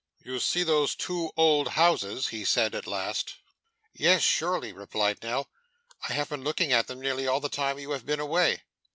'You see those two old houses,' he said at last. 'Yes, surely,' replied Nell. 'I have been looking at them nearly all the time you have been away.